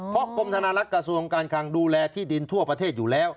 เพราะกรมธนาลักษ์กระทรวงการคลังดูแลที่ดินทั่วประเทศอยู่แล้ว